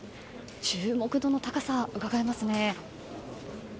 注目度の高さがうかがえますね。